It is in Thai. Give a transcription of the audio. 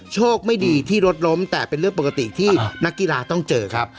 โชคไม่ดีที่รถล้มแต่เป็นเรื่องปกติที่นักกีฬาต้องเจอครับ